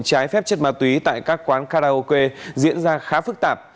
trái phép chất ma túy tại các quán karaoke diễn ra khá phức tạp